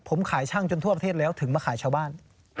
ผมขายช่างจนทั่วประเทศแล้วถึงมาขายชาวบ้าน